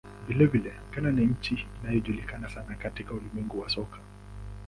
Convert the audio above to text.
Vilevile, Ghana ni nchi inayojulikana sana katika ulimwengu wa soka.